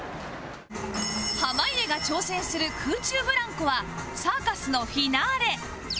濱家が挑戦する空中ブランコはサーカスのフィナーレ